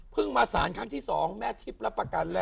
เพิ่งมาสารครั้งที่สองแม่ทิศรับประกันแล้ว